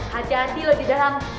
hati hati lo di dalam